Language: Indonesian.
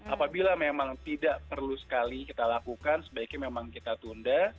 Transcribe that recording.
apabila memang tidak perlu sekali kita lakukan sebaiknya memang kita tunda